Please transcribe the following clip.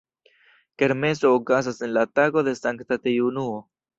Kermeso okazas en la tago de Sankta Triunuo.